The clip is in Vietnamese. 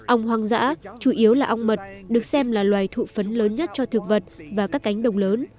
ong hoang dã chủ yếu là ong mật được xem là loài thụ phấn lớn nhất cho thực vật và các cánh đồng lớn